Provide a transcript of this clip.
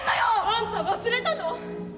「あんた忘れたの？